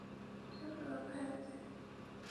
首府凯尔采。